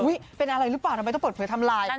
อุ๊ยเป็นอะไรรึเปล่าทำไมต้องเปิดเผยทำไลน์